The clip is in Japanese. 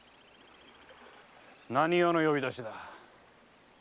何用の呼び出しだ？